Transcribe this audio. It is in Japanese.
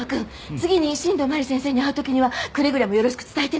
次に新道真理先生に会う時にはくれぐれもよろしく伝えてね。